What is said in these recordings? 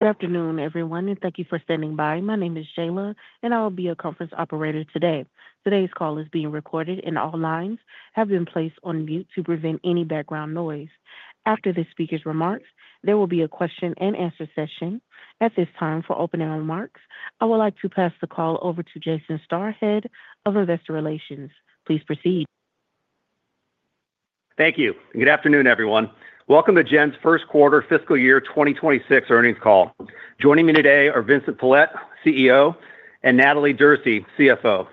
Good afternoon, everyone, and thank you for standing by. My name is Sheila, and I will be your conference operator today. Today's call is being recorded, and all lines have been placed on mute to prevent any background noise. After the speaker's remarks, there will be a question and answer session. At this time, for opening remarks, I would like to pass the call over to Jason Starr, Head of Investor Relations. Please proceed. Thank you. And good afternoon, everyone. Welcome to Gen's first quarter fiscal year 2026 earnings call. Joining me today are Vincent Pilette, CEO, and Natalie Derse, CFO.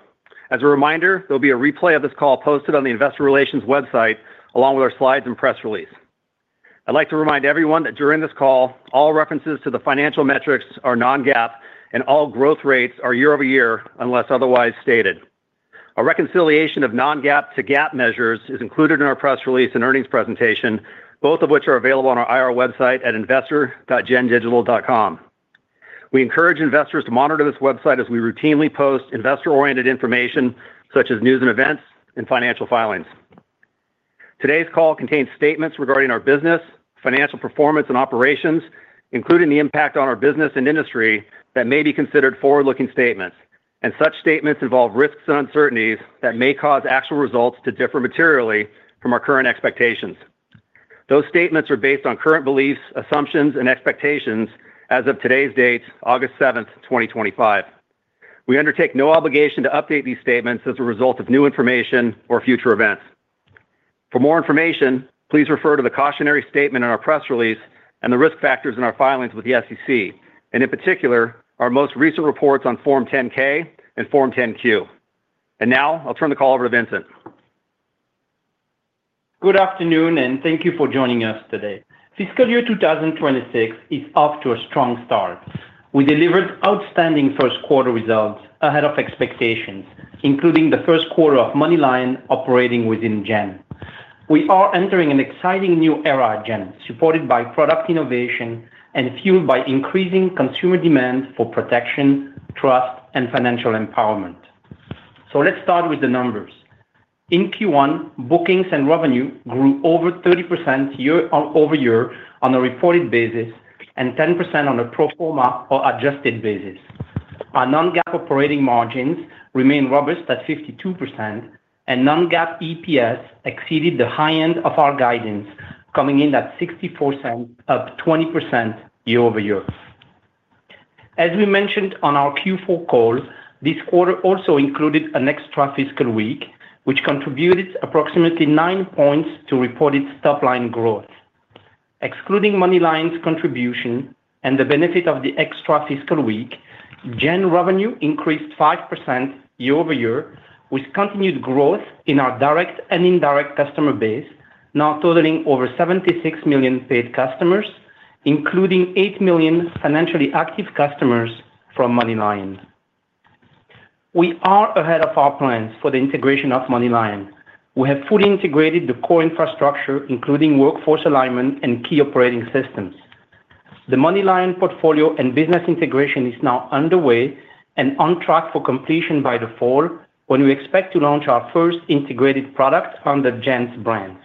As a reminder, there will be a replay of this call posted on the Investor Relations website, along with our slides and press release. I'd like to remind everyone that during this call, all references to the financial metrics are non-GAAP and all growth rates are year-over-year unless otherwise stated. A reconciliation of non-GAAP to GAAP measures is included in our press release and earnings presentation, both of which are available on our IR website at investor.gendigital.com. We encourage investors to monitor this website as we routinely post investor-oriented information such as news and events and financial filings. Today's call contains statements regarding our business, financial performance, and operations, including the impact on our business and industry that may be considered forward-looking statements. Such statements involve risks and uncertainties that may cause actual results to differ materially from our current expectations. Those statements are based on current beliefs, assumptions, and expectations as of today's date, August 7th, 2025. We undertake no obligation to update these statements as a result of new information or future events. For more information, please refer to the cautionary statement in our press release and the risk factors in our filings with the SEC, and in particular, our most recent reports on Form 10-K and Form 10-Q. Now, I'll turn the call over to Vincent. Good afternoon, and thank you for joining us today. Fiscal year 2026 is off to a strong start. We delivered outstanding first quarter results ahead of expectations, including the first quarter of MoneyLion operating within Gen we are entering an exciting new Gen, supported by product innovation and fueled by increasing consumer demand for protection, trust, and financial empowerment. Let's start with the numbers. In Q1, bookings and revenue grew over 30% year-over-year on a reported basis and 10% on a pro forma or adjusted basis. Our non-GAAP operating margins remain robust at 52%, and non-GAAP EPS exceeded the high end of our guidance, coming in at $0.60, up 20% year-over-year. As we mentioned on our Q4 call, this quarter also included an extra fiscal week, which contributed approximately nine points to reported top-line growth. Excluding MoneyLion's contribution and the benefit of the extra fiscal week, Gen revenue increased 5% year-over-year, with continued growth in our direct and indirect customer base, now totaling over 76 million paid customers, including 8 million financially active customers from MoneyLion. We are ahead of our plans for the integration of MoneyLion. We have fully integrated the core infrastructure, including workforce alignment and key operating systems. The MoneyLion portfolio and business integration is now underway and on track for completion by the fall, when we expect to launch our first integrated product from the Gen's brand.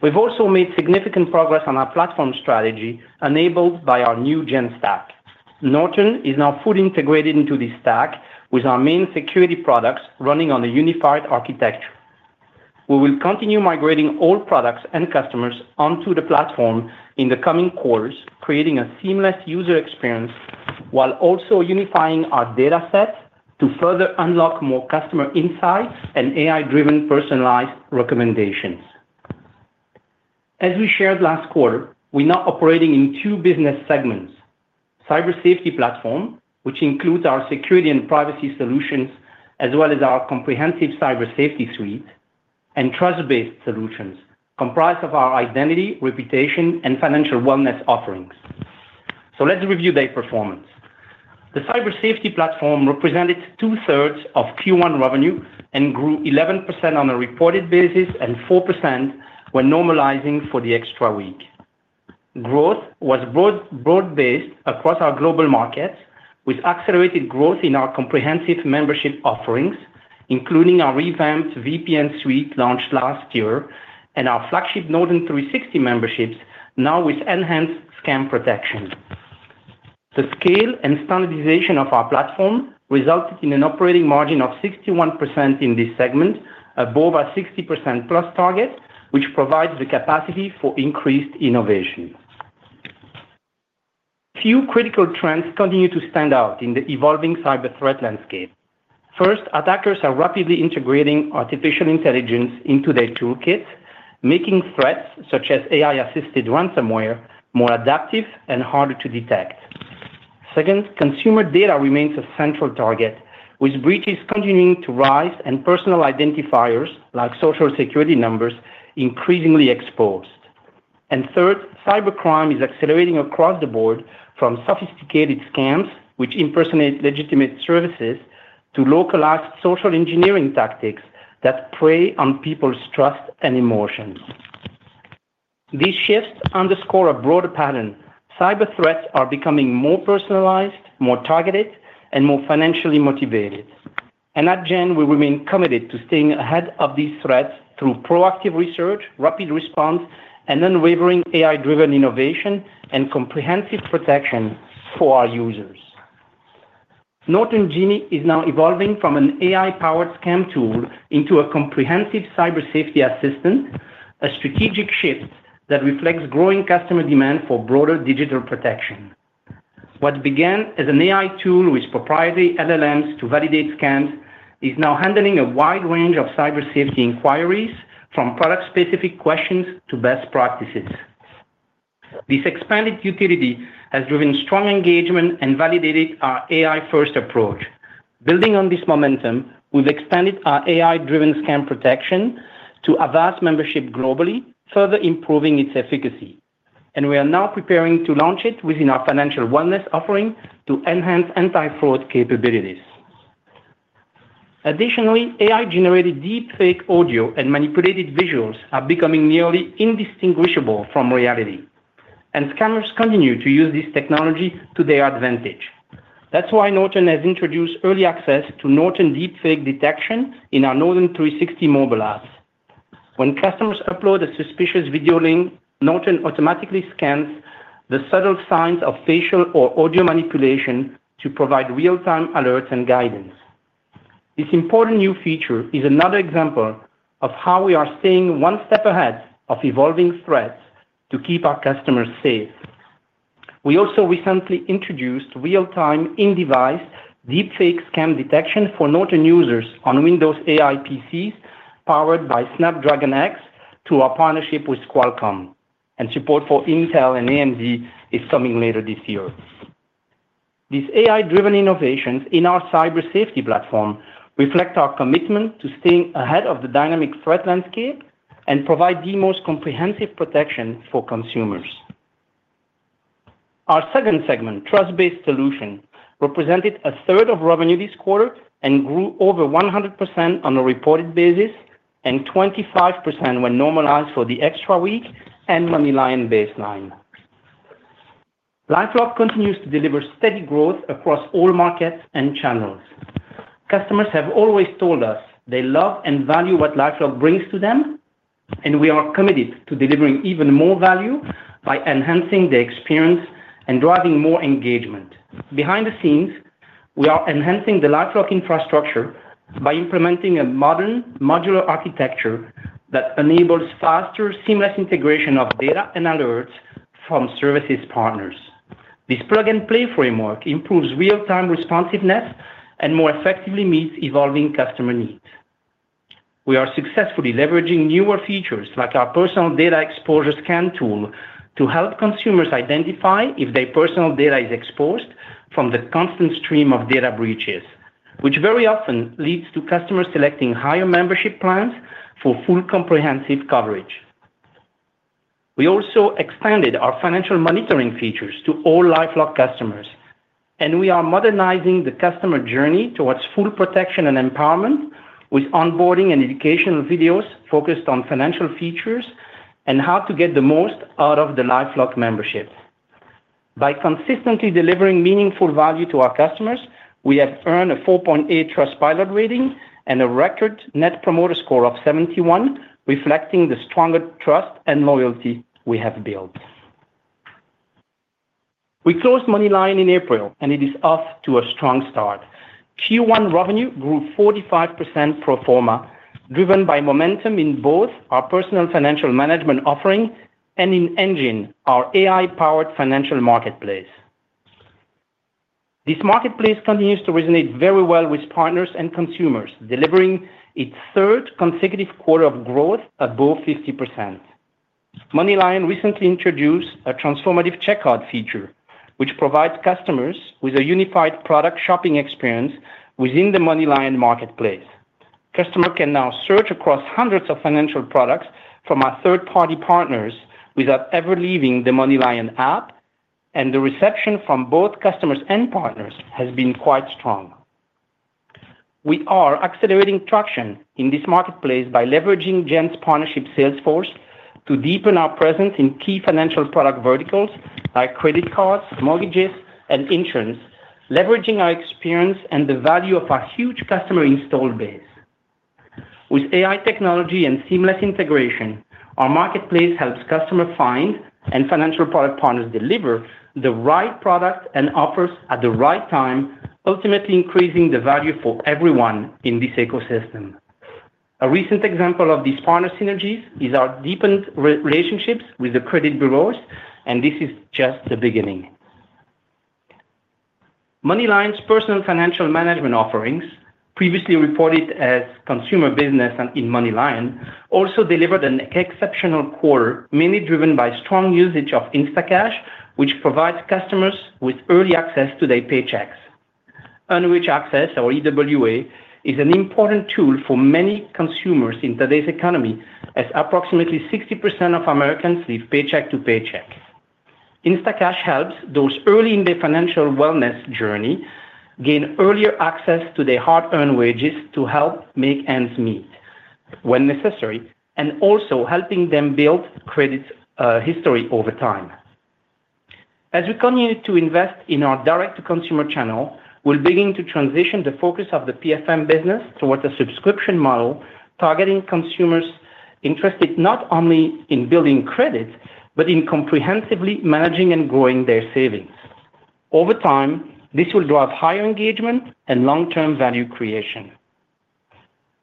We've also made significant progress on our platform strategy, enabled by our new Gen stack. Norton is now fully integrated into the stack, with our main security products running on a unified architecture. We will continue migrating all products and customers onto the platform in the coming quarters, creating a seamless user experience while also unifying our datasets to further unlock more customer insight and AI-driven personalized recommendations. As we shared last quarter, we're now operating in two business segments – cybersafety platform, which includes our security and privacy solutions, as well as our comprehensive cybersafety suite, and Trust-Based Solutions, comprised of our identity, reputation, and financial wellness offerings. Let's review their performance. The cybersafety platform represented two-thirds of Q1 revenue and grew 11% on a reported basis and 4% when normalizing for the extra week. Growth was broad-based across our global markets, with accelerated growth in our comprehensive membership offerings, including our revamped VPN suite launched last year and our flagship Norton 360 memberships, now with enhanced scam protection. The scale and standardization of our platform resulted in an operating margin of 61% in this segment, above our 60% plus target, which provides the capacity for increased innovation. A few critical trends continue to stand out in the evolving cyber threat landscape. First, attackers are rapidly integrating artificial intelligence into their toolkits, making threats such as AI-assisted ransomware more adaptive and harder to detect. Second, consumer data remains a central target, with breaches continuing to rise and personal identifiers like social security numbers increasingly exposed. Third, cybercrime is accelerating across the board, from sophisticated scams, which impersonate legitimate services, to localized social engineering tactics that prey on people's trust and emotions. These shifts underscore a broader pattern: cyber threats are becoming more personalized, more targeted, and more financially motivated. At Gen, we remain committed to staying ahead of these threats through proactive research, rapid response, and unwavering AI-driven innovation and comprehensive protection for our users. Norton Genie is now evolving from an AI-powered scam tool into a comprehensive cybersafety assistant, a strategic shift that reflects growing customer demand for broader digital protection. What began as an AI tool with proprietary LLMs to validate scams is now handling a wide range of cybersafety inquiries, from product-specific questions to best practices. This expanded utility has driven strong engagement and validated our AI-first approach. Building on this momentum, we've expanded our AI-driven scam protection to Avast membership globally, further improving its efficacy. We are now preparing to launch it within our financial wellness offering to enhance anti-fraud capabilities. Additionally, AI-generated deepfake audio and manipulated visuals are becoming nearly indistinguishable from reality, and scammers continue to use this technology to their advantage. That's why Norton has introduced early access to Norton Deepfake Detection in our Norton 360 mobile apps. When customers upload a suspicious video link, Norton automatically scans the subtle signs of facial or audio manipulation to provide real-time alerts and guidance. This important new feature is another example of how we are staying one step ahead of evolving threats to keep our customers safe. We also recently introduced real-time in-device deepfake scam detection for Norton users on Windows AI PCs powered by Snapdragon X through our partnership with Qualcomm, and support for Intel and AMD is coming later this year. These AI-driven innovations in our cybersafety platform reflect our commitment to staying ahead of the dynamic threat landscape and provide the most comprehensive protection for consumers. Our second segment, Trust-Based Solutions, represented a third of revenue this quarter and grew over 100% on a reported basis and 25% when normalized for the extra week and MoneyLion baseline. LifeLock continues to deliver steady growth across all markets and channels. Customers have always told us they love and value what LifeLock brings to them, and we are committed to delivering even more value by enhancing their experience and driving more engagement. Behind the scenes, we are enhancing the LifeLock infrastructure by implementing a modern modular architecture that enables faster, seamless integration of data and alerts from services partners. This plug-and-play framework improves real-time responsiveness and more effectively meets evolving customer needs. We are successfully leveraging newer features like our personal data exposure scan tool to help consumers identify if their personal data is exposed from the constant stream of data breaches, which very often leads to customers selecting higher membership plans for full comprehensive coverage. We also extended our financial monitoring features to all LifeLock customers, and we are modernizing the customer journey towards full protection and empowerment with onboarding and educational videos focused on financial features and how to get the most out of the LifeLock membership. By consistently delivering meaningful value to our customers, we have earned a 4.8 Trustpilot rating and a record net promoter score of 71, reflecting the stronger trust and loyalty we have built. We closed MoneyLion in April, and it is off to a strong start. Q1 revenue grew 45% pro forma, driven by momentum in both our personal financial management offering and in Engine, our AI-powered financial marketplace. This marketplace continues to resonate very well with partners and consumers, delivering its third consecutive quarter of growth above 50%. MoneyLion recently introduced a transformative checkout feature, which provides customers with a unified product shopping experience within the MoneyLion marketplace. Customers can now search across hundreds of financial products from our third-party partners without ever leaving the MoneyLion app, and the reception from both customers and partners has been quite strong. We are accelerating traction in this marketplace by leveraging Gen's partnership sales force to deepen our presence in key financial product verticals like credit cards, mortgages, and insurance, leveraging our experience and the value of our huge customer installed base. With AI technology and seamless integration, our marketplace helps customers find and financial product partners deliver the right products and offers at the right time, ultimately increasing the value for everyone in this ecosystem. A recent example of these partner synergies is our deepened relationships with the credit bureaus, and this is just the beginning. MoneyLion's personal financial management offerings, previously reported as consumer business in MoneyLion, also delivered an exceptional quarter, mainly driven by strong usage of InstaCash, which provides customers with early access to their paychecks. Earned Wage Access, or EWA, is an important tool for many consumers in today's economy, as approximately 60% of Americans live paycheck to paycheck. InstaCash helps those early in their financial wellness journey gain earlier access to their hard-earned wages to help make ends meet when necessary, and also helping them build credit history over time. As we continue to invest in our direct-to-consumer channel, we're beginning to transition the focus of the PFM business towards a subscription model, targeting consumers interested not only in building credit, but in comprehensively managing and growing their savings. Over time, this will drive higher engagement and long-term value creation.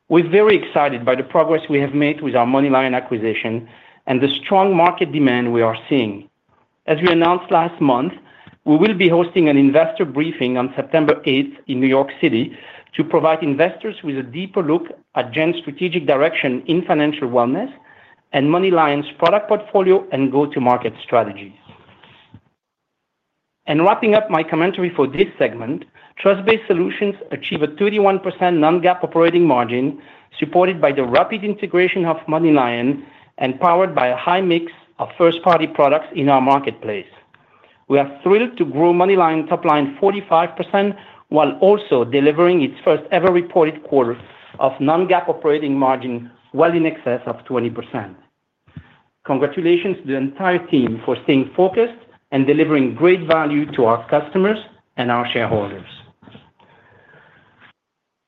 We're very excited by the progress we have made with our MoneyLion acquisition and the strong market demand we are seeing. As we announced last month, we will be hosting an investor briefing on September 8th in New York City to provide investors with a deeper look at Gen's strategic direction in financial wellness and MoneyLion's product portfolio and go-to-market strategies. Wrapping up my commentary for this segment, Trust-Based Solutions achieved a 31% non-GAAP operating margin, supported by the rapid integration of MoneyLion and powered by a high mix of first-party products in our marketplace. We are thrilled to grow MoneyLion top-line 45% while also delivering its first-ever reported quarter of non-GAAP operating margin well in excess of 20%. Congratulations to the entire team for staying focused and delivering great value to our customers and our shareholders.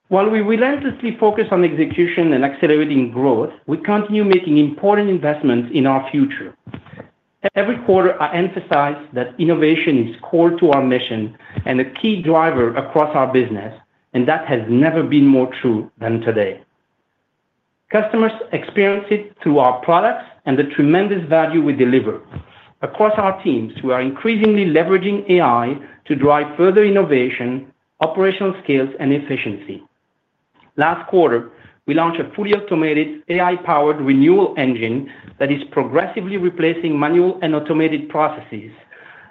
While we relentlessly focus on execution and accelerating growth, we continue making important investments in our future. Every quarter, I emphasize that innovation is core to our mission and a key driver across our business, and that has never been more true than today. Customers experience it through our products and the tremendous value we deliver. Across our teams, we are increasingly leveraging AI to drive further innovation, operational skills, and efficiency. Last quarter, we launched a fully automated AI-powered renewal engine that is progressively replacing manual and automated processes,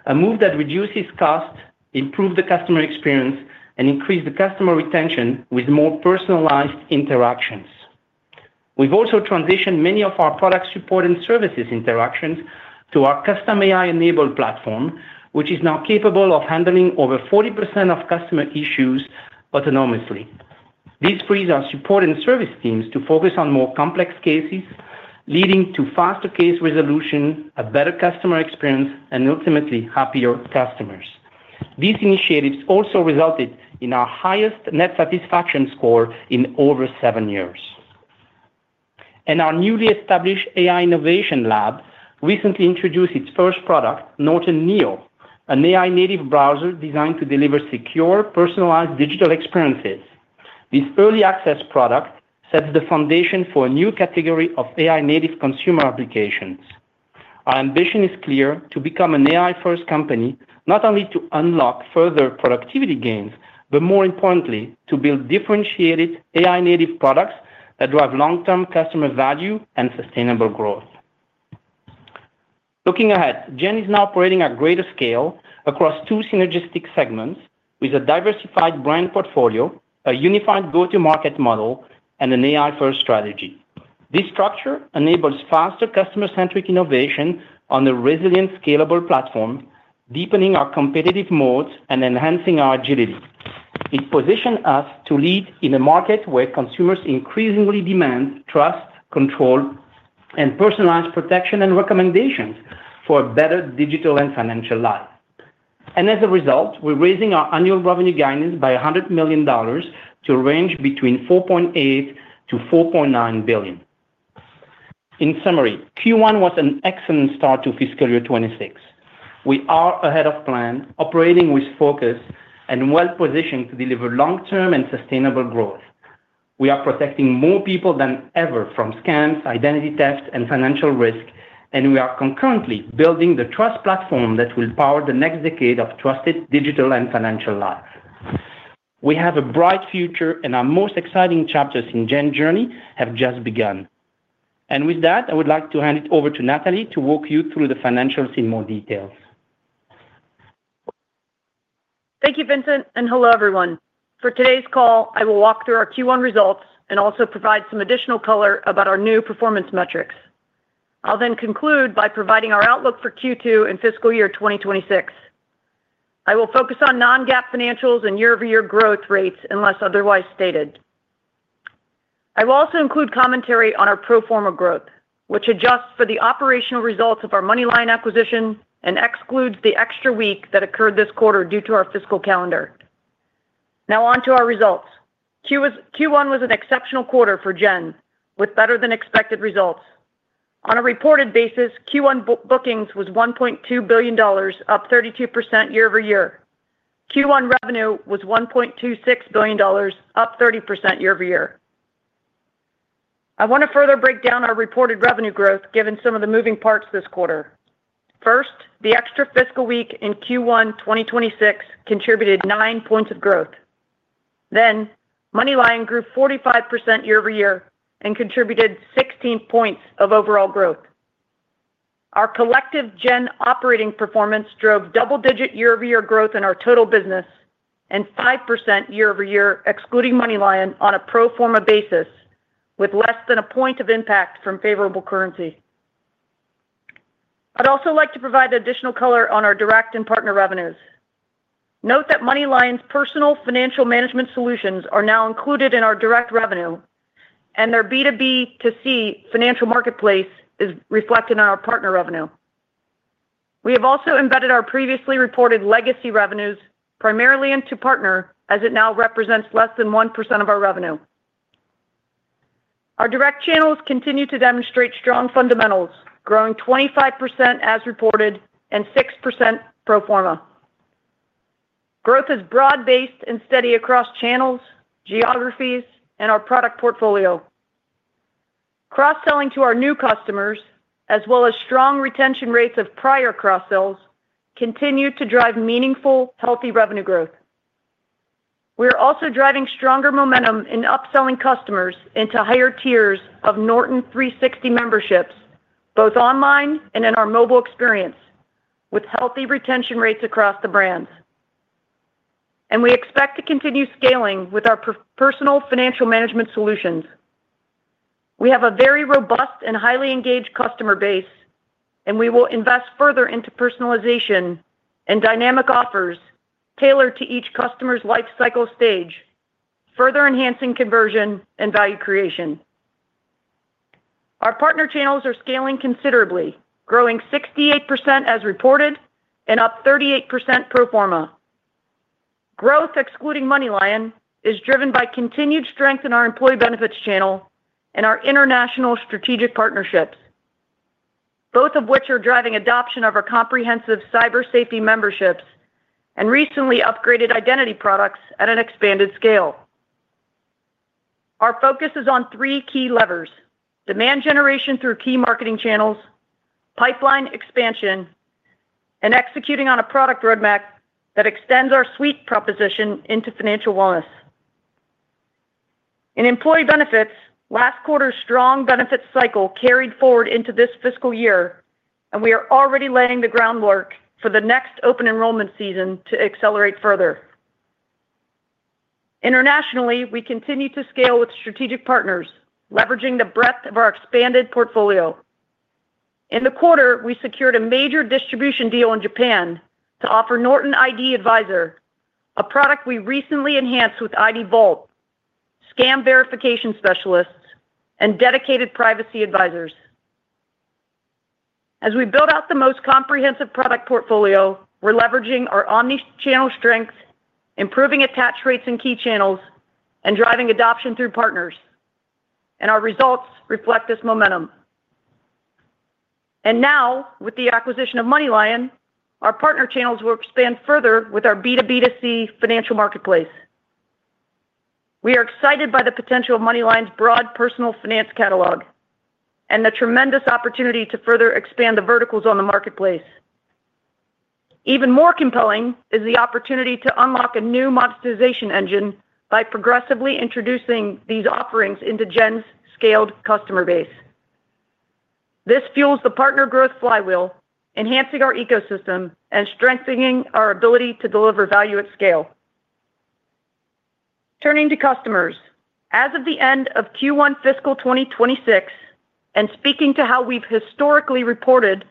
a move that reduces costs, improves the customer experience, and increases the customer retention with more personalized interactions. We have also transitioned many of our product support and services interactions to our custom AI-enabled platform, which is now capable of handling over 40% of customer issues autonomously. This frees our support and service teams to focus on more complex cases, leading to faster case resolution, a better customer experience, and ultimately happier customers. These initiatives also resulted in our highest net satisfaction score in over seven years. Our newly established AI innovation lab recently introduced its first product, Norton Neo, an AI-native browser designed to deliver secure, personalized digital experiences. This early access product sets the foundation for a new category of AI-native consumer applications. Our ambition is clear: to become an AI-first company, not only to unlock further productivity gains, but more importantly, to build differentiated AI-native products that drive long-term customer value and sustainable growth. Looking ahead, Gen is now operating at greater scale across two synergistic segments with a diversified brand portfolio, a unified go-to-market model, and an AI-first strategy. This structure enables faster customer-centric innovation on a resilient, scalable platform, deepening our competitive moats and enhancing our agility. It positions us to lead in a market where consumers increasingly demand trust, control, and personalized protection and recommendations for a better digital and financial life. As a result, we're raising our annual revenue guidance by $100 million to range between $4.8 billion-$4.9 billion. In summary, Q1 was an excellent start to fiscal year 2026. We are ahead of plan, operating with focus, and well-positioned to deliver long-term and sustainable growth. We are protecting more people than ever from scams, identity theft, and financial risk, and we are concurrently building the trust platform that will power the next decade of trusted digital and financial lives. We have a bright future, and our most exciting chapter in Gen's journey have just begun. With that, I would like to hand it over to Natalie Derse to walk you through the financials in more detail. Thank you, Vincent, and hello, everyone. For today's call, I will walk through our Q1 results and also provide some additional color about our new performance metrics. I'll then conclude by providing our outlook for Q2 and fiscal year 2026. I will focus on non-GAAP financials and year-over-year growth rates unless otherwise stated. I will also include commentary on our pro forma growth, which adjusts for the operational results of our MoneyLion acquisition and excludes the extra week that occurred this quarter due to our fiscal calendar. Now on to our results. Q1 was an exceptional quarter for Gen, with better-than-expected results. On a reported basis, Q1 bookings were $1.2 billion, up 32% year-over-year. Q1 revenue was $1.26 billion, up 30% year-over-year. I want to further break down our reported revenue growth, given some of the moving parts this quarter. The extra fiscal week in Q1 2026 contributed nine points of growth. MoneyLion grew 45% year-over-year and contributed 16 points of overall growth. Our collective Gen operating performance drove double-digit year-over-year growth in our total business and 5% year-over-year, excluding MoneyLion, on a pro forma basis, with less than a point of impact from favorable currency. I'd also like to provide additional color on our direct and partner revenues. Note that MoneyLion's personal financial management solutions are now included in our direct revenue, and their B2B2C financial marketplace is reflected in our partner revenue. We have also embedded our previously reported legacy revenues, primarily into partner, as it now represents less than 1% of our revenue. Our direct channels continue to demonstrate strong fundamentals, growing 25% as reported and 6% pro forma. Growth is broad-based and steady across channels, geographies, and our product portfolio. Cross-selling to our new customers, as well as strong retention rates of prior cross-sells, continue to drive meaningful, healthy revenue growth. We are also driving stronger momentum in upselling customers into higher tiers of Norton 360 memberships, both online and in our mobile experience, with healthy retention rates across the brand. We expect to continue scaling with our personal financial management solutions. We have a very robust and highly engaged customer base, and we will invest further into personalization and dynamic offers tailored to each customer's life cycle stage, further enhancing conversion and value creation. Our partner channels are scaling considerably, growing 68% as reported and up 38% pro forma. Growth, excluding MoneyLion, is driven by continued strength in our employee benefits channel and our international strategic partnerships, both of which are driving adoption of our comprehensive cybersafety memberships and recently upgraded identity products at an expanded scale. Our focus is on three key levers – demand generation through key marketing channels, pipeline expansion, and executing on a product roadmap that extends our suite proposition into financial wellness. In employee benefits, last quarter's strong benefits cycle carried forward into this fiscal year, and we are already laying the groundwork for the next open enrollment season to accelerate further. Internationally, we continue to scale with strategic partners, leveraging the breadth of our expanded portfolio. In the quarter, we secured a major distribution deal in Japan to offer Norton ID Advisor, a product we recently enhanced with ID Vault, scam verification specialists, and dedicated privacy advisors. As we build out the most comprehensive product portfolio, we are leveraging our omnichannel strength, improving attach rates in key channels, and driving adoption through partners. Our results reflect this momentum. Now, with the acquisition of MoneyLion, our partner channels will expand further with our B2B2C financial marketplace. We are excited by the potential of MoneyLion's broad personal finance catalog and the tremendous opportunity to further expand the verticals on the marketplace. Even more compelling is the opportunity to unlock a new monetization engine by progressively introducing these offerings into Gen's scaled customer base. This fuels the partner growth flywheel, enhancing our ecosystem and strengthening our ability to deliver value at scale. Turning to customers, as of the end of Q1 fiscal 2026 and speaking to how we've historically reported,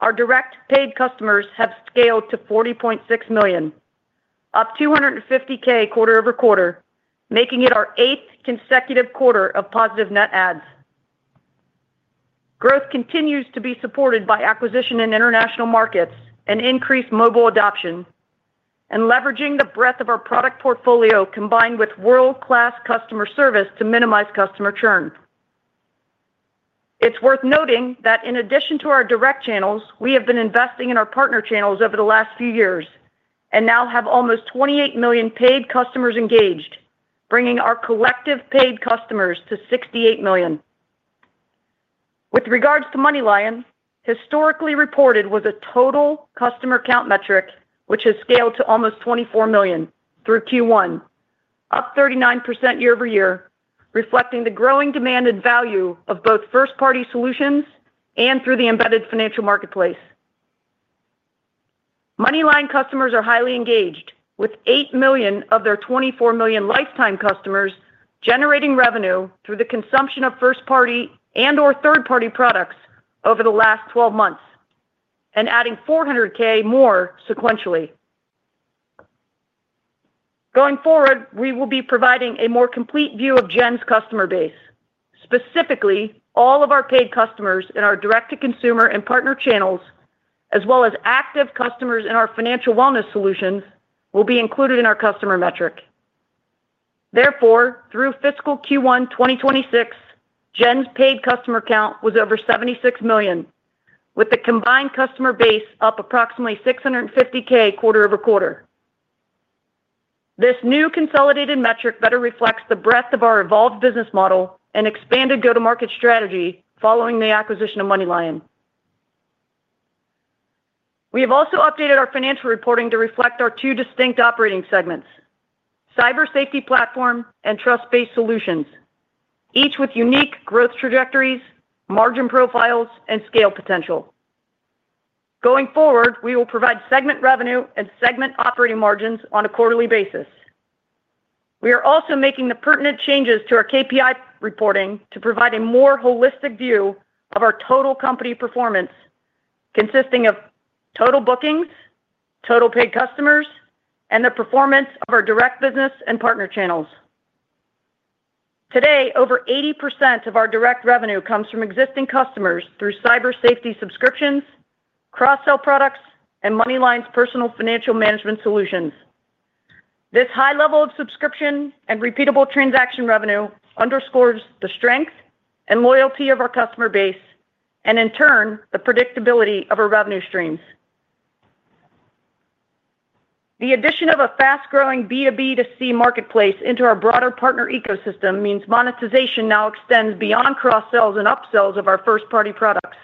our direct paid customers have scaled to 40.6 million, up 250,000 quarter over quarter, making it our eighth consecutive quarter of positive net adds. Growth continues to be supported by acquisition in international markets and increased mobile adoption, and leveraging the breadth of our product portfolio combined with world-class customer service to minimize customer churn. It's worth noting that in addition to our direct channels, we have been investing in our partner channels over the last few years and now have almost 28 million paid customers engaged, bringing our collective paid customers to 68 million. With regards to MoneyLion, historically reported with a total customer count metric, which has scaled to almost 24 million through Q1, up 39% year over year, reflecting the growing demand and value of both first-party solutions and through the embedded financial marketplace. MoneyLion customers are highly engaged, with 8 million of their 24 million lifetime customers generating revenue through the consumption of first-party and/or third-party products over the last 12 months and adding 400,000 more sequentially. Going forward, we will be providing a more complete view of Gen's customer base. Specifically, all of our paid customers in our direct-to-consumer and partner channels, as well as active customers in our financial wellness solutions, will be included in our customer metric. Therefore, through fiscal Q1 2026, Gen's paid customer count was over 76 million, with the combined customer base up approximately 650,000 quarter over quarter. This new consolidated metric better reflects the breadth of our evolved business model and expanded go-to-market strategy following the acquisition of MoneyLion. We have also updated our financial reporting to reflect our two distinct operating segments: cybersafety platform and Trust-Based Solutions, each with unique growth trajectories, margin profiles, and scale potential. Going forward, we will provide segment revenue and segment operating margins on a quarterly basis. We are also making the pertinent changes to our KPI reporting to provide a more holistic view of our total company performance, consisting of total bookings, total paid customers, and the performance of our direct business and partner channels. Today, over 80% of our direct revenue comes from existing customers through cybersafety subscriptions, cross-sell products, and MoneyLion's personal financial management solutions. This high level of subscription and repeatable transaction revenue underscores the strength and loyalty of our customer base, and in turn, the predictability of our revenue streams. The addition of a fast-growing B2B2C marketplace into our broader partner ecosystem means monetization now extends beyond cross-sells and upsells of our first-party products.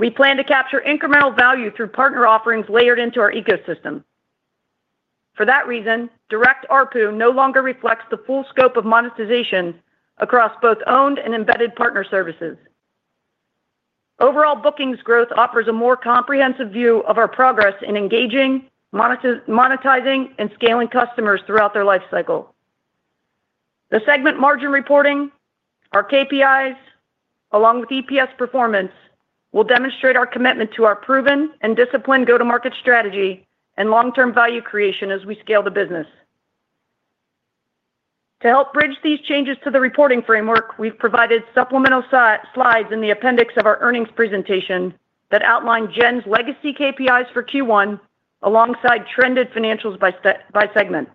We plan to capture incremental value through partner offerings layered into our ecosystem. For that reason, direct ARPU no longer reflects the full scope of monetization across both owned and embedded partner services. Overall bookings growth offers a more comprehensive view of our progress in engaging, monetizing, and scaling customers throughout their life cycle. The segment margin reporting, our KPIs, along with EPS performance, will demonstrate our commitment to our proven and disciplined go-to-market strategy and long-term value creation as we scale the business. To help bridge these changes to the reporting framework, we've provided supplemental slides in the appendix of our earnings presentation that outlined Gen's legacy KPIs for Q1, alongside trended financials by segment.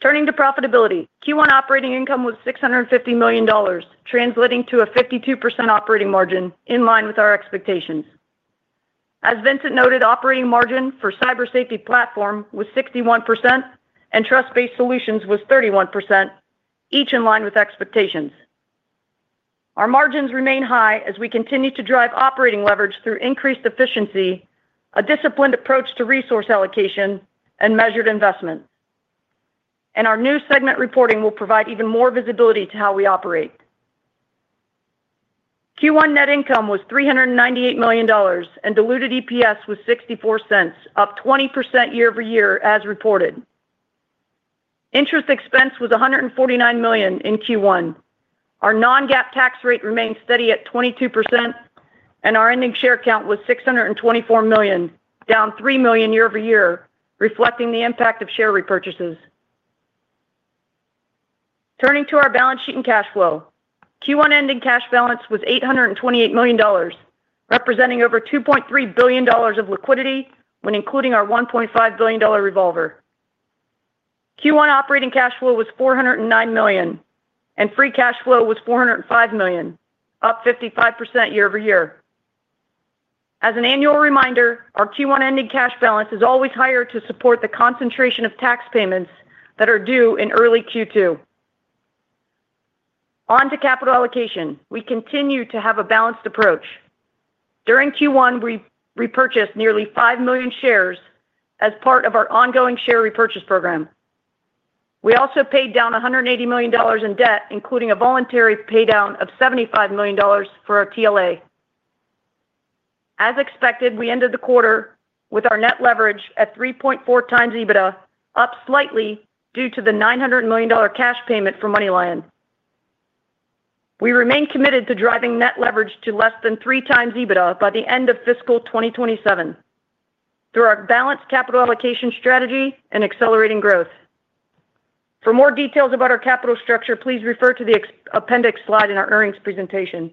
Turning to profitability, Q1 operating income was $650 million, translating to a 52% operating margin in line with our expectations. As Vincent noted, operating margin for cybersafety platform was 61%, and Trust-Based Solutions was 31%, each in line with expectations. Our margins remain high as we continue to drive operating leverage through increased efficiency, a disciplined approach to resource allocation, and measured investment. Our new segment reporting will provide even more visibility to how we operate. Q1 net income was $398 million, and diluted EPS was $0.64, up 20% year over year as reported. Interest expense was $149 million in Q1. Our non-GAAP tax rate remained steady at 22%, and our ending share count was 624 million, down 3 million year over year, reflecting the impact of share repurchases. Turning to our balance sheet and cash flow, Q1 ending cash balance was $828 million, representing over $2.3 billion of liquidity when including our $1.5 billion revolver. Q1 operating cash flow was $409 million, and free cash flow was $405 million, up 55% year over year. As an annual reminder, our Q1 ending cash balance is always higher to support the concentration of tax payments that are due in early Q2. On to capital allocation, we continue to have a balanced approach. During Q1, we repurchased nearly 5 million shares as part of our ongoing share repurchase program. We also paid down $180 million in debt, including a voluntary paydown of $75 million for our TLA. As expected, we ended the quarter with our net leverage at 3.4 times EBITDA, up slightly due to the $900 million cash payment from MoneyLion. We remain committed to driving net leverage to less than three times EBITDA by the end of fiscal 2027 through our balanced capital allocation strategy and accelerating growth. For more details about our capital structure, please refer to the appendix slide in our earnings presentation.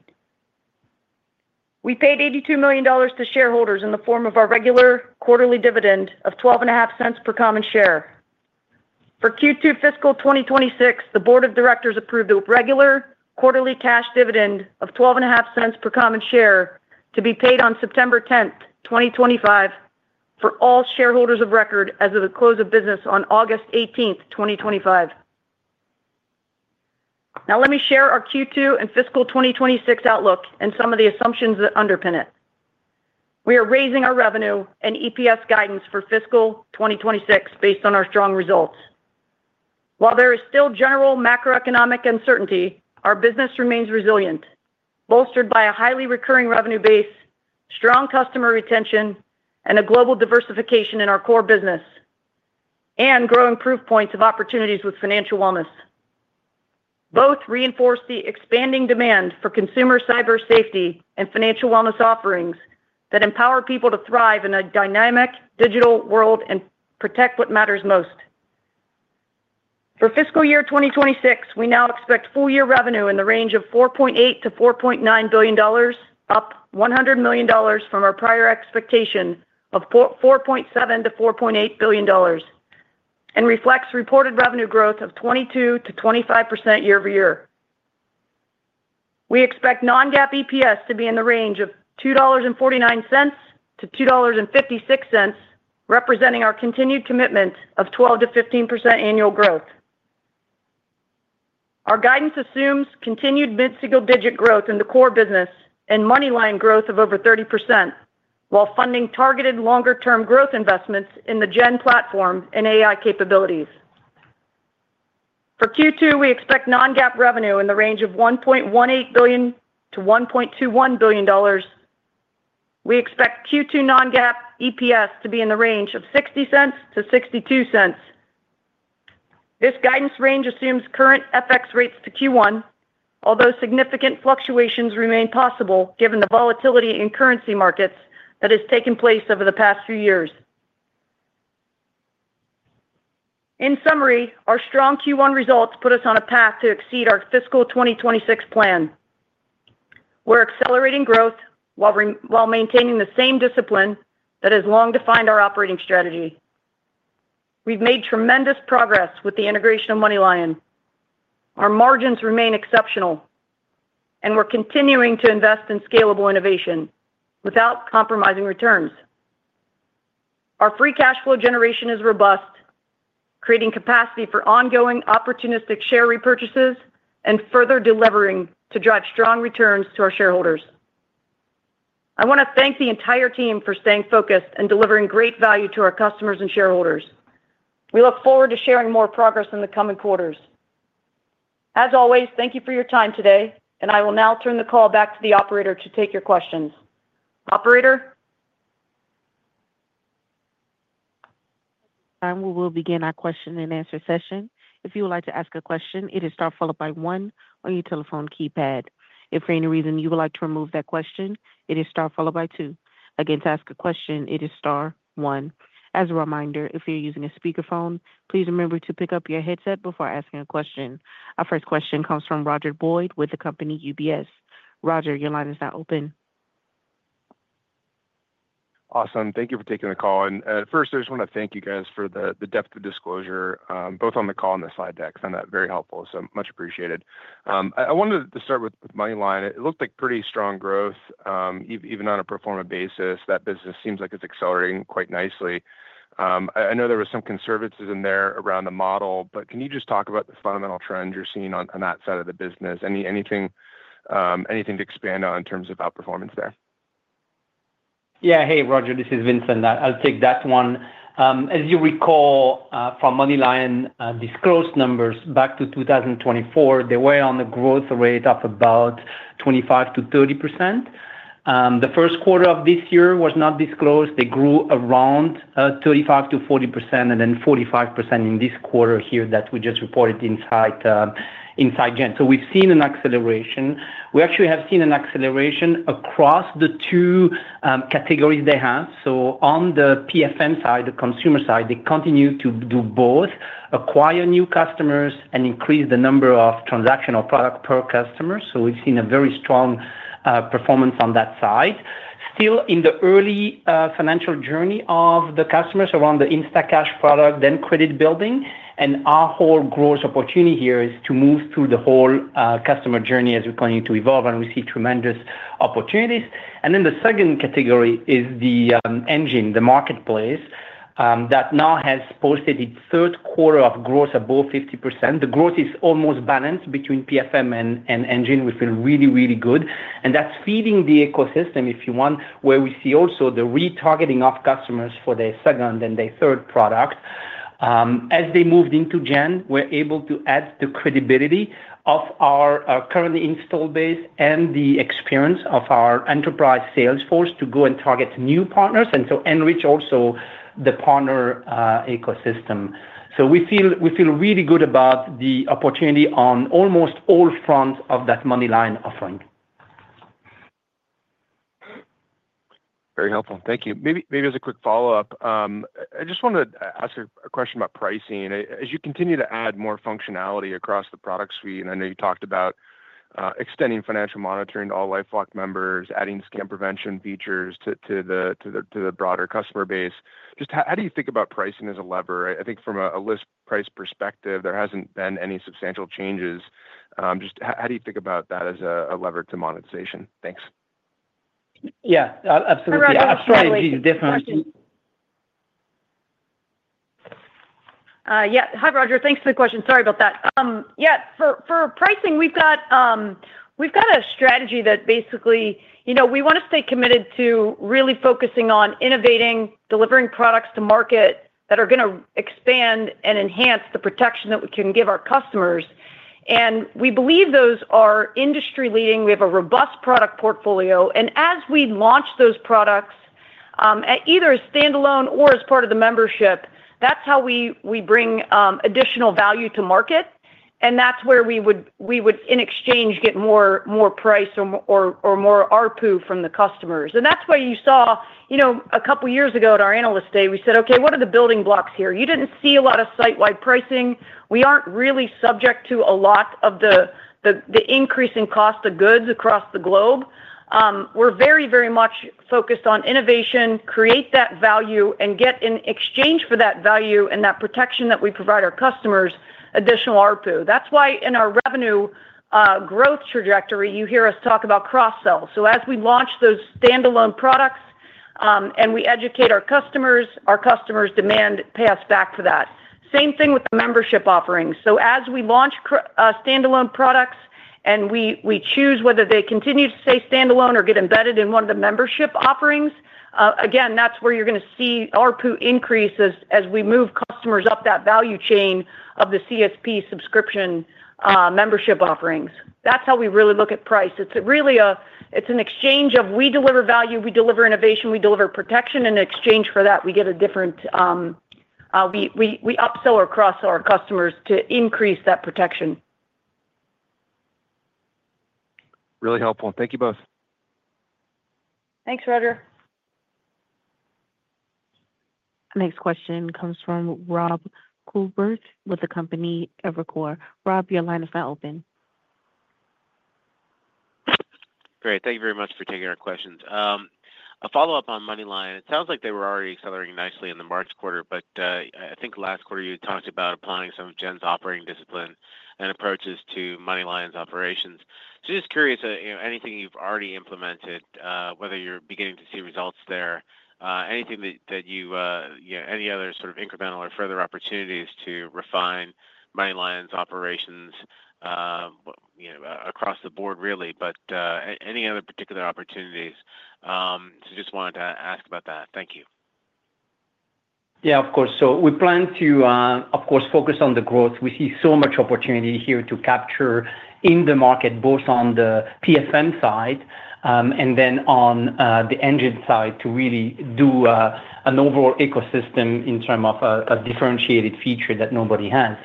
We paid $82 million to shareholders in the form of our regular quarterly dividend of $0.125 per common share. For Q2 fiscal 2026, the Board of Directors approved a regular quarterly cash dividend of $0.125 per common share to be paid on September 10, 2025, for all shareholders of record as of the close of business on August 18, 2025. Now, let me share our Q2 and fiscal 2026 outlook and some of the assumptions that underpin it. We are raising our revenue and EPS guidance for fiscal 2026 based on our strong results. While there is still general macroeconomic uncertainty, our business remains resilient, bolstered by a highly recurring revenue base, strong customer retention, and a global diversification in our core business, and growing proof points of opportunities with financial wellness. Both reinforce the expanding demand for consumer cybersafety and financial wellness offerings that empower people to thrive in a dynamic digital world and protect what matters most. For fiscal year 2026, we now expect full-year revenue in the range of $4.8 billion-$4.9 billion, up $100 million from our prior expectation of $4.7 billion-$4.8 billion, and reflects reported revenue growth of 22%-25% year over year. We expect non-GAAP EPS to be in the range of $2.49-$2.56, representing our continued commitment of 12%-15% annual growth. Our guidance assumes continued mid-single-digit growth in the core business and MoneyLion growth of over 30%, while funding targeted longer-term growth investments in the GEN platform and AI capabilities. For Q2, we expect non-GAAP revenue in the range of $1.18 billion-$1.21 billion. We expect Q2 non-GAAP EPS to be in the range of $0.60-$0.62. This guidance range assumes current FX rates to Q1, although significant fluctuations remain possible given the volatility in currency markets that has taken place over the past few years. In summary, our strong Q1 results put us on a path to exceed our fiscal 2026 plan. We're accelerating growth while maintaining the same discipline that has long defined our operating strategy. We've made tremendous progress with the integration of MoneyLion. Our margins remain exceptional, and we're continuing to invest in scalable innovation without compromising returns. Our free cash flow generation is robust, creating capacity for ongoing opportunistic share repurchases and further delivering to drive strong returns to our shareholders. I want to thank the entire team for staying focused and delivering great value to our customers and shareholders. We look forward to sharing more progress in the coming quarters. As always, thank you for your time today, and I will now turn the call back to the operator to take your questions. Operator? We will begin our question and answer session. If you would like to ask a question, it is star followed by one on your telephone keypad. If for any reason you would like to remove that question, it is star followed by two. Again, to ask a question, it is star one. As a reminder, if you're using a speakerphone, please remember to pick up your headset before asking a question. Our first question comes from Roger Boyd with the company UBS. Roger, your line is now open. Awesome. Thank you for taking the call. First, I just want to thank you guys for the depth of disclosure, both on the call and the slide deck. I found that very helpful, so much appreciated. I wanted to start with MoneyLion. It looked like pretty strong growth, even on a pro forma basis. That business seems like it's accelerating quite nicely. I know there was some conservatism there around the model, but can you just talk about the fundamental trends you're seeing on that side of the business? Anything to expand on in terms of outperformance there? Yeah. Hey, Roger, this is Vincent. I'll take that one. As you recall, from MoneyLion disclosed numbers back to 2024, they were on a growth rate of about 25%-30%. The first quarter of this year was not disclosed. They grew around 35%-40%, and then 45% in this quarter here that we just reported inside Gen We've seen an acceleration. We actually have seen an acceleration across the two categories they have. On the PFM side, the consumer side, they continue to do both, acquire new customers, and increase the number of transactional products per customer. We've seen a very strong performance on that side. Still in the early financial journey of the customers around the InstaCash product, then credit building, and our whole growth opportunity here is to move through the whole customer journey as we continue to evolve, and we see tremendous opportunities. The second category is the Engine, the marketplace, that now has posted its third quarter of growth above 50%. The growth is almost balanced between PFM and Engine. We feel really, really good. That's feeding the ecosystem, if you want, where we see also the retargeting of customers for their second and their third product. As they moved into Gen, we're able to add the credibility of our current install base and the experience of our enterprise sales force to go and target new partners and enrich also the partner ecosystem. We feel really good about the opportunity on almost all fronts of that MoneyLion offering. Very helpful. Thank you. Maybe as a quick follow-up, I just wanted to ask a question about pricing. As you continue to add more functionality across the product suite, and I know you talked about extending financial monitoring to all LifeLock members, adding scam prevention features to the broader customer base, how do you think about pricing as a lever? I think from a list price perspective, there hasn't been any substantial changes. How do you think about that as a lever to monetization? Thanks. Yeah, absolutely. I'll try to be different. Yeah. Hi, Roger. Thanks for the question. Sorry about that. For pricing, we've got a strategy that basically, you know, we want to stay committed to really focusing on innovating, delivering products to market that are going to expand and enhance the protection that we can give our customers. We believe those are industry-leading. We have a robust product portfolio. As we launch those products, either as standalone or as part of the membership, that's how we bring additional value to market. That's where we would, in exchange, get more price or more ARPU from the customers. That's why you saw a couple of years ago at our analyst day, we said, OK, what are the building blocks here? You didn't see a lot of site-wide pricing. We aren't really subject to a lot of the increase in cost of goods across the globe. We're very, very much focused on innovation, create that value, and get in exchange for that value and that protection that we provide our customers, additional ARPU. That's why in our revenue growth trajectory, you hear us talk about cross-sell. As we launch those standalone products and we educate our customers, our customers demand pay us back for that. Same thing with the membership offerings. As we launch standalone products and we choose whether they continue to stay standalone or get embedded in one of the membership offerings, again, that's where you're going to see ARPU increase as we move customers up that value chain of the CSP subscription membership offerings. That's how we really look at price. It's really an exchange of we deliver value, we deliver innovation, we deliver protection, and in exchange for that, we get a different upsell across our customers to increase that protection. Really helpful. Thank you both. Thanks, Roger. Next question comes from Rob Colbert with the company Evercore. Rob, your line is now open. Great. Thank you very much for taking our questions. A follow-up on MoneyLion. It sounds like they were already accelerating nicely in the March quarter, but I think last quarter you talked about applying some of Gen's operating discipline and approaches to MoneyLion's operations. Just curious, anything you've already implemented, whether you're beginning to see results there, anything that you, any other sort of incremental or further opportunities to refine MoneyLion's operations across the board, really, but any other particular opportunities? Just wanted to ask about that. Thank you. Yeah, of course. We plan to, of course, focus on the growth. We see so much opportunity here to capture in the market, both on the PFM side and then on the Engine side, to really do an overall ecosystem in terms of a differentiated feature that nobody has.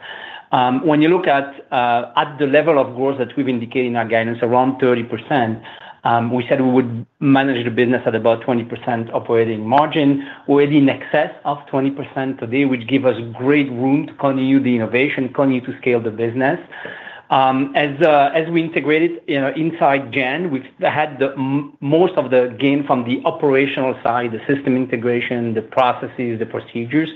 When you look at the level of growth that we've indicated in our guidance, around 30%, we said we would manage the business at about 20% operating margin. We're already in excess of 20% today, which gives us great room to continue the innovation, continue to scale the business. As we integrated inside Gen, which had most of the gain from the operational side, the system integration, the processes, the procedures,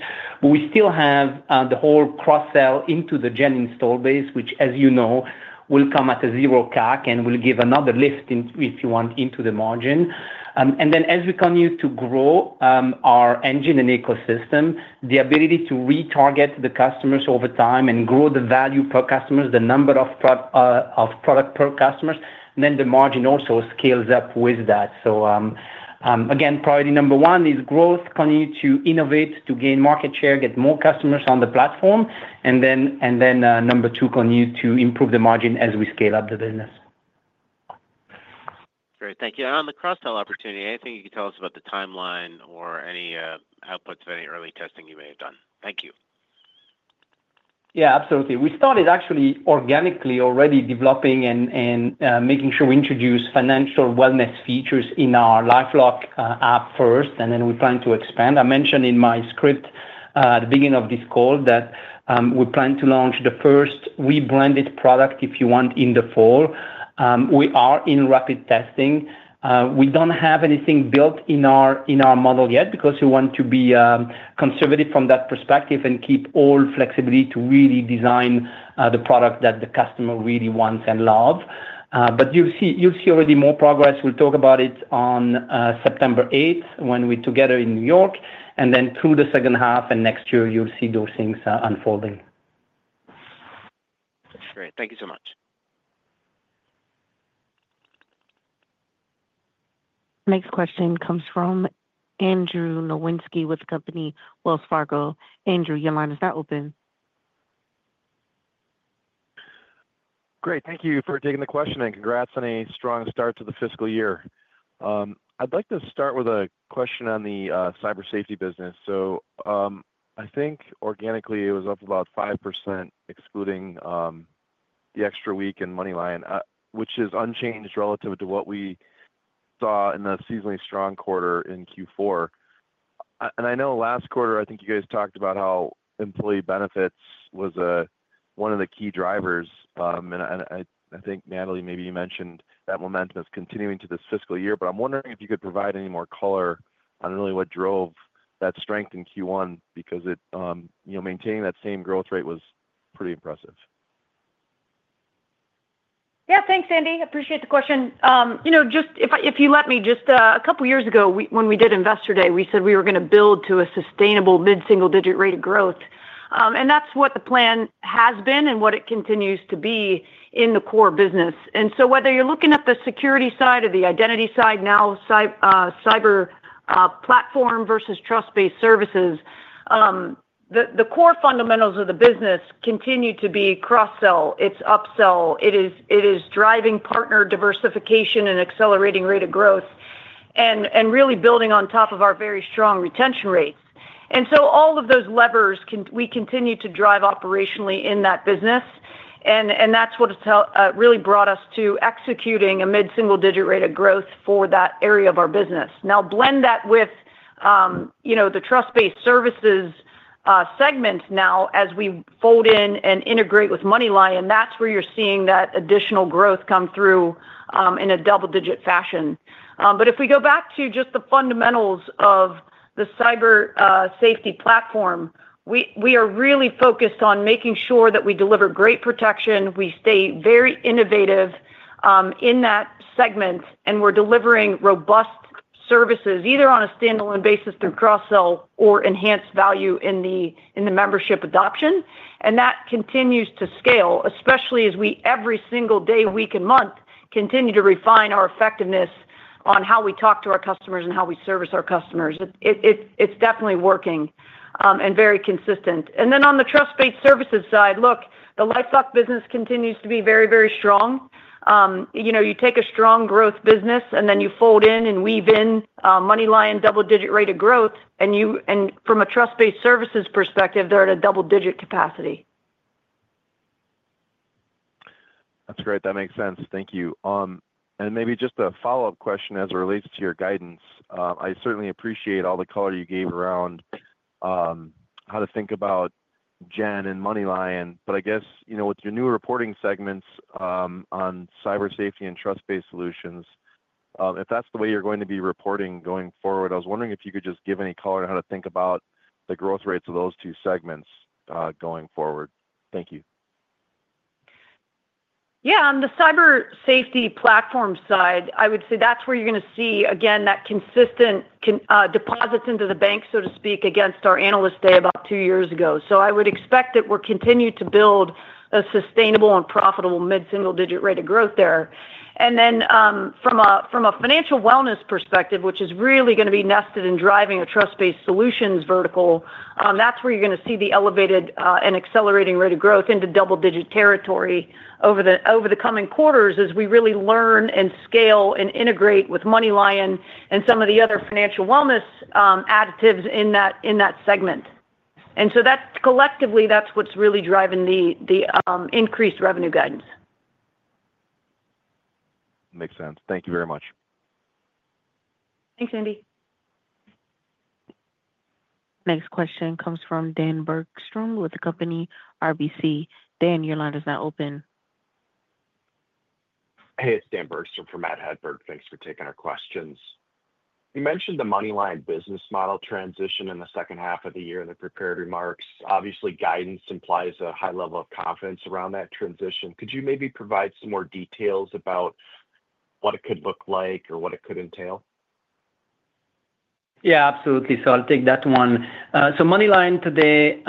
we still have the whole cross-sell into the Gen install base, which, as you know, will come at a zero CAC and will give another lift, if you want, into the margin. As we continue to grow our Engine and ecosystem, the ability to retarget the customers over time and grow the value per customer, the number of products per customer, then the margin also scales up with that. Priority number one is growth, continue to innovate, to gain market share, get more customers on the platform, and number two, continue to improve the margin as we scale up the business. Great. Thank you. On the cross-sell opportunity, anything you could tell us about the timeline or any outputs of any early testing you may have done? Thank you. Yeah, absolutely. We started actually organically already developing and making sure we introduce financial wellness features in our LifeLock app first, and then we plan to expand. I mentioned in my script at the beginning of this call that we plan to launch the first rebranded product, if you want, in the fall. We are in rapid testing. We don't have anything built in our model yet because we want to be conservative from that perspective and keep all flexibility to really design the product that the customer really wants and loves. You'll see already more progress. We'll talk about it on September 8th when we're together in New York, and then through the second half and next year, you'll see those things unfolding. Great. Thank you so much. Next question comes from Andrew Nowinski with company, Wells Fargo. Andrew, your line is now open. Great. Thank you for taking the question, and congrats on a strong start to the fiscal year. I'd like to start with a question on the cybersafety business. I think organically, it was up about 5%, excluding the extra week in MoneyLion, which is unchanged relative to what we saw in the seasonally strong quarter in Q4. I know last quarter, I think you guys talked about how employee benefits was one of the key drivers. I think, Natalie, maybe you mentioned that momentum is continuing to this fiscal year, but I'm wondering if you could provide any more color on really what drove that strength in Q1 because maintaining that same growth rate was pretty impressive. Yeah, thanks, Andy. I appreciate the question. Just a couple of years ago, when we did Investor Day, we said we were going to build to a sustainable mid-single-digit rate of growth. That's what the plan has been and what it continues to be in the core business. Whether you're looking at the security side or the identity side, now cybersafety platform versus Trust-Based Solutions, the core fundamentals of the business continue to be cross-sell, upsell, driving partner diversification, and accelerating rate of growth, really building on top of our very strong retention rates. All of those levers we continue to drive operationally in that business. That's what really brought us to executing a mid-single-digit rate of growth for that area of our business. Now blend that with the Trust-Based Solutions segment as we fold in and integrate with MoneyLion, that's where you're seeing that additional growth come through in a double-digit fashion. If we go back to just the fundamentals of the cybersafety platform, we are really focused on making sure that we deliver great protection. We stay very innovative in that segment, and we're delivering robust services either on a standalone basis through cross-sell or enhanced value in the membership adoption. That continues to scale, especially as we every single day, week, and month continue to refine our effectiveness on how we talk to our customers and how we service our customers. It's definitely working and very consistent. On the Trust-Based Solutions side, the LifeLock business continues to be very, very strong. You take a strong growth business, and then you fold in and weave in MoneyLion double-digit rate of growth, and from a Trust-Based Solutions perspective, they're at a double-digit capacity. That's great. That makes sense. Thank you. Maybe just a follow-up question as it relates to your guidance. I certainly appreciate all the color you gave around how to think about Gen and MoneyLion, but I guess, you know, with your new reporting segments on cybersafety and Trust-Based Solutions, if that's the way you're going to be reporting going forward, I was wondering if you could just give any color on how to think about the growth rates of those two segments going forward. Thank you. Yeah, on the cybersafety platform side, I would say that's where you're going to see, again, that consistent deposits into the bank, so to speak, against our analyst day about two years ago. I would expect that we'll continue to build a sustainable and profitable mid-single-digit rate of growth there. From a financial wellness perspective, which is really going to be nested in driving a Trust-Based Solutions vertical, that's where you're going to see the elevated and accelerating rate of growth into double-digit territory over the coming quarters as we really learn and scale and integrate with MoneyLion and some of the other financial wellness additives in that segment. Collectively, that's what's really driving the increased revenue guidance. Makes sense. Thank you very much. Thanks, Andy. Next question comes from Dan Bergstrom with the company RBC. Dan, your line is now open. Hey, it's Dan Bergstrom from [Mad Hatberg]. Thanks for taking our questions. You mentioned the MoneyLion business model transition in the second half of the year in the prepared remarks. Obviously, guidance implies a high level of confidence around that transition. Could you maybe provide some more details about what it could look like or what it could entail? Yeah, absolutely. I'll take that one. MoneyLion today,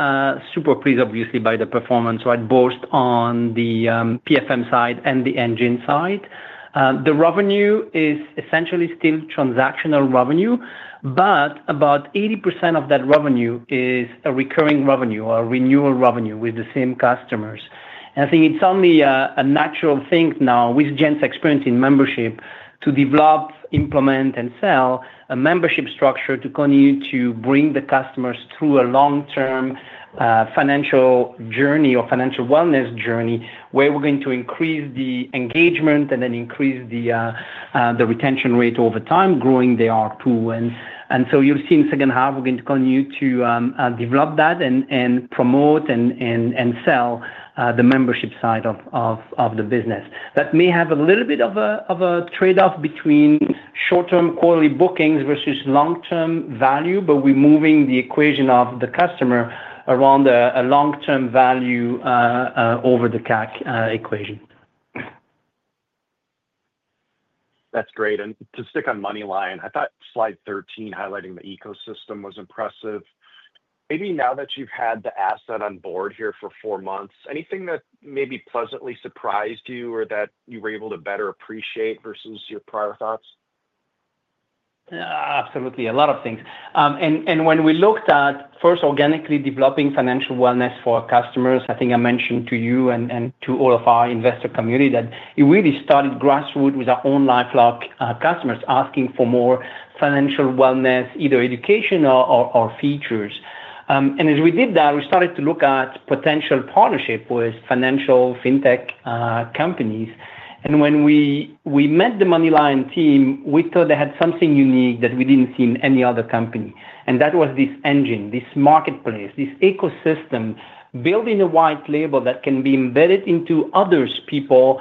super pleased, obviously, by the performance, right, both on the PFM side and the Engine side. The revenue is essentially still transactional revenue, but about 80% of that revenue is a recurring revenue or a renewal revenue with the same customers. I think it's only a natural thing now with Gen's experience in membership to develop, implement, and sell a membership structure to continue to bring the customers through a long-term financial journey or financial wellness journey where we're going to increase the engagement and then increase the retention rate over time, growing the ARPU. You'll see in the second half, we're going to continue to develop that and promote and sell the membership side of the business. That may have a little bit of a trade-off between short-term quarterly bookings versus long-term value, but we're moving the equation of the customer around a long-term value over the CAC equation. That's great. To stick on MoneyLion, I thought slide 13 highlighting the ecosystem was impressive. Maybe now that you've had the asset on board here for four months, anything that maybe pleasantly surprised you or that you were able to better appreciate versus your prior thoughts? Absolutely, a lot of things. When we looked at first organically developing financial wellness for our customers, I think I mentioned to you and to all of our investor community that it really started grassroots with our own LifeLock customers asking for more financial wellness, either education or features. As we did that, we started to look at potential partnerships with financial fintech companies. When we met the MoneyLion team, we thought they had something unique that we didn't see in any other company. That was this Engine, this marketplace, this ecosystem, building a white label that can be embedded into other people's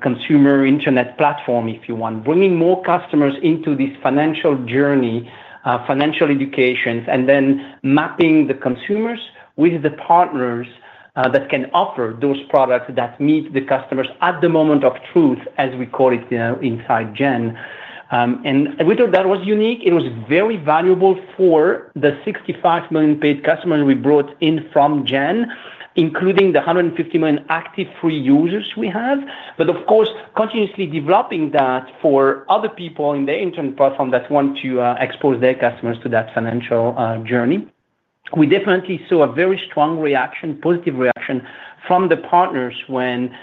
consumer internet platform, if you want, bringing more customers into this financial journey, financial educations, and then mapping the consumers with the partners that can offer those products that meet the customers at the moment of truth, as we call it inside Gen We thought that was unique. It was very valuable for the 65 million paid customers we brought in from Gen, including the 150 million active free users we have. Of course, continuously developing that for other people in the internal platform that want to expose their customers to that financial journey. We definitely saw a very strong reaction, positive reaction from the partners when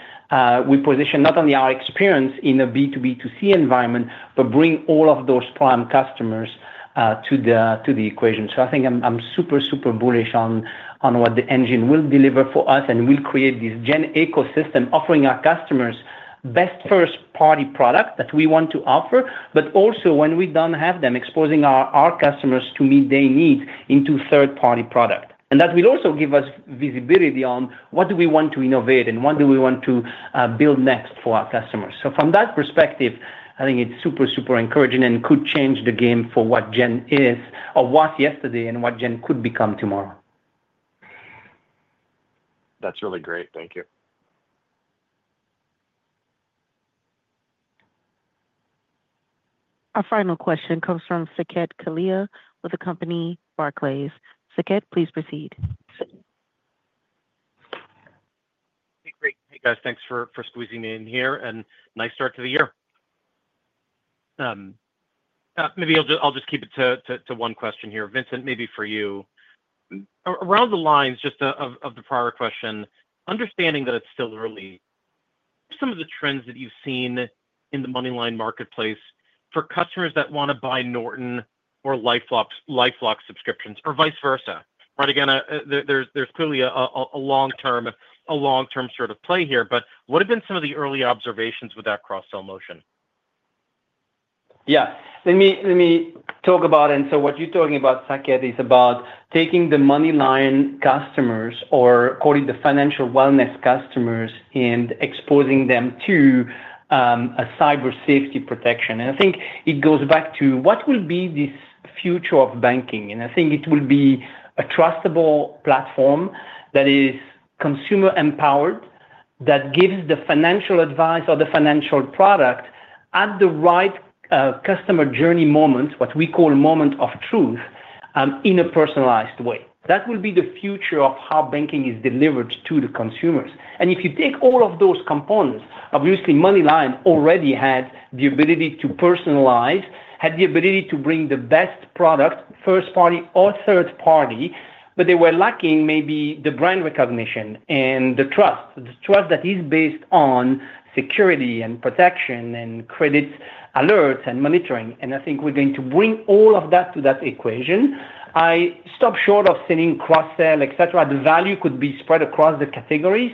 we positioned not only our experience in a B2B2C environment, but bring all of those prime customers to the equation. I think I'm super, super bullish on what the Engine will deliver for us and will create this Gen ecosystem offering our customers best first-party products that we want to offer, but also when we don't have them exposing our customers to meet their needs into third-party products. That will also give us visibility on what do we want to innovate and what do we want to build next for our customers. From that perspective, I think it's super, super encouraging and could change the game for what Gen is or was yesterday and what Gen could become tomorrow. That's really great. Thank you. Our final question comes from Saket Kalia with the company Barclays. Saket, please proceed. Great. Hey, guys, thanks for squeezing in here and nice start to the year. Maybe I'll just keep it to one question here. Vincent, maybe for you. Around the lines just of the prior question, understanding that it's still early, some of the trends that you've seen in the MoneyLion marketplace for customers that want to buy Norton or LifeLock subscriptions or vice versa, right? Again, there's clearly a long-term sort of play here, but what have been some of the early observations with that cross-sell motion? Yeah. Let me talk about it. What you're talking about, Saket, is about taking the MoneyLion customers or quoting the financial wellness customers and exposing them to a cybersafety protection. I think it goes back to what will be this future of banking. I think it will be a trustable platform that is consumer-empowered, that gives the financial advice or the financial product at the right customer journey moment, what we call moment of truth, in a personalized way. That will be the future of how banking is delivered to the consumers. If you take all of those components, obviously, MoneyLion already had the ability to personalize, had the ability to bring the best product, first-party or third-party, but they were lacking maybe the brand recognition and the trust, the trust that is based on security and protection and credit alerts and monitoring. I think we're going to bring all of that to that equation. I stopped short of saying cross-sell, et cetera. The value could be spread across the categories,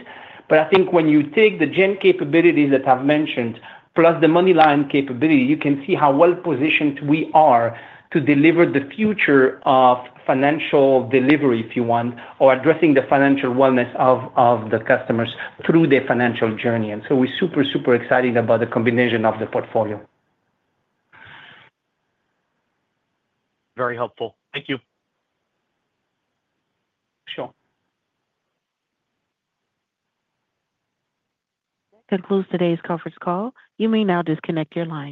but I think when you take the Gen capabilities that I've mentioned, plus the MoneyLion capability, you can see how well-positioned we are to deliver the future of financial delivery, if you want, or addressing the financial wellness of the customers through their financial journey. We're super, super excited about the combination of the portfolio. Very helpful. Thank you. Sure. That concludes today's conference call. You may now disconnect your line.